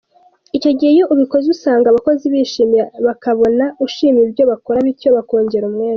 Icyo gihe iyo ubikoze usanga abakozi bishimye bakabona ushima ibyo bakora bityo bakongera umwete.